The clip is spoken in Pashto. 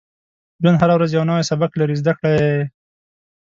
• ژوند هره ورځ یو نوی سبق لري، زده کړه یې.